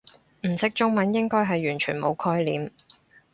唔識中文應該係完全冇概念